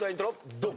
ドン！